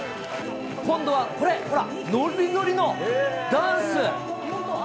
今度はこれ、ほら、のりのりのダンス。